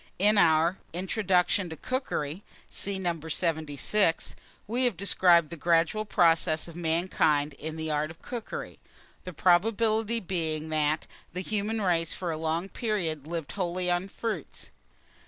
In Our "INTRODUCTION TO COOKERY" (see No. 76) we have described the gradual progress of mankind in the art of cookery, the probability being, that the human race, for a long period, lived wholly on fruits.